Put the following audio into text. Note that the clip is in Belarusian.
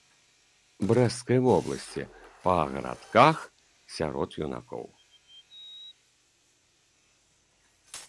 Брэсцкай вобласці па гарадках сярод юнакоў.